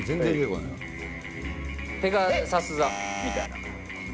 ペガサス座みたいな。